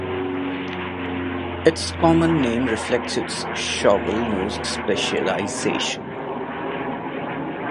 Its common name reflects its shovel nose specialisation.